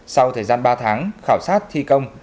sau thời gian ba tháng khảo sát thi công